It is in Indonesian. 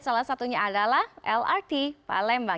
salah satunya adalah lrt palembang